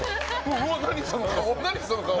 うわ、何その顔。